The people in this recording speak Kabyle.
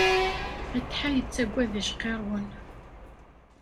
Atḥa yettaggad icqirrwen.